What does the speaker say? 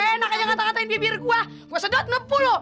enak aja ngata ngatain bibir gue sedot nepu loh